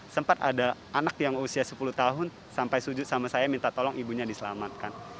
sempat ada anak yang usia sepuluh tahun sampai sujud sama saya minta tolong ibunya diselamatkan